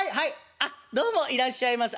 あっどうもいらっしゃいませ。